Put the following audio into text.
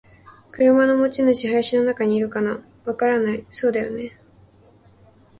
「車の持ち主。林の中にいるかな？」「わからない。」「そうだよね。」